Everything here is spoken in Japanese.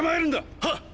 はっ！